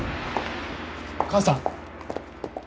母さん！